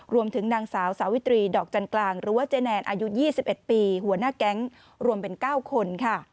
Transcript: รวมถึงนางสาวสาวิตรีดอกจันกลางหรือว่าเจ๊แนนอายุ๒๑ปีหัวหน้าแก๊งรวมเป็น๙คนค่ะ